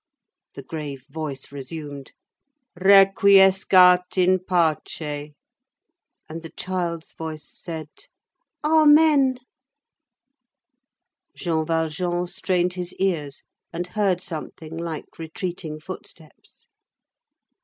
The grave voice resumed _"Requiescat in pace." _ And the child's voice said:— _"Amen." _ Jean Valjean strained his ears, and heard something like retreating footsteps.